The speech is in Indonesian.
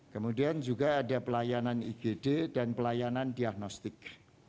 kemudian juga ada pelayanan igd dan pelayanan diagnostik